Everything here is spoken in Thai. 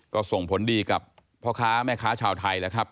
ก็ส่งผลดีกับพ่อค้าแม่ค้าชาวไทยแล้วครับ